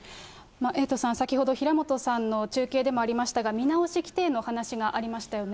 エイトさん、先ほど平本さんの中継でもありましたが、見直し規定の話がありましたよね。